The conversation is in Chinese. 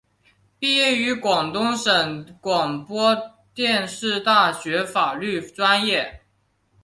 毕业于广东省广播电视大学法律专业。